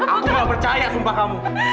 aku gak percaya sumpah kamu